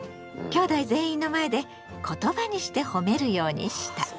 きょうだい全員の前で言葉にしてほめるようにした。